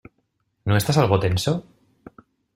¿ No estás algo tenso?